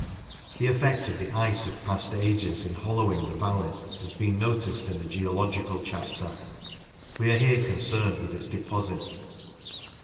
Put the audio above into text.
The effect of the ice of past ages in hollowing the valleys has been noticed in the geological chapter. We are here concerned with its deposits.